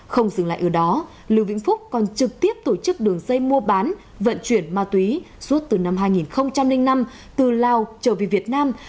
không dừng lại ở đó lưu vĩnh phúc còn trực tiếp tổ chức đường dây mua bán vận chuyển ma túy suốt từ năm hai nghìn năm từ lào trở về việt nam